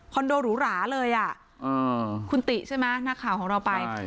คอนโดหรูหราเลยอ่ะอืมคุณติใช่ไหมหน้าข่าวของเราไปใช่